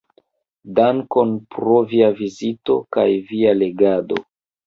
Dankon pro via vizito kaj via legado.